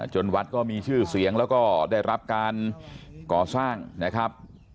วัดก็มีชื่อเสียงแล้วก็ได้รับการก่อสร้างนะครับ